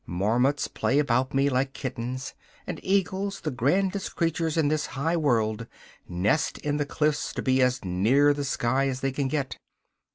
Marmots play about me like kittens, and eagles, the grandest creatures in this high world, nest in the cliffs to be as near the sky as they can get.